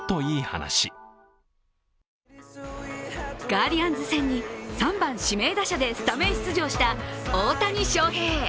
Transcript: ガーディアンズ戦に３番・指名打者でスタメン出場した大谷翔平。